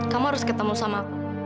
kamu harus ketemu sama aku